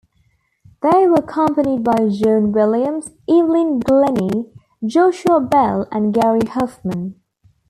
They were accompanied by John Williams, Evelyn Glennie, Joshua Bell, and Gary Hoffman.